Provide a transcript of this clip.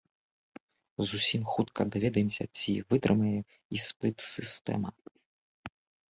Зусім хутка даведаемся, ці вытрымае іспыт сістэма.